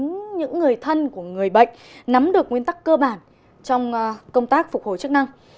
hướng những người thân của người bệnh nắm được nguyên tắc cơ bản trong công tác phục hồi chức năng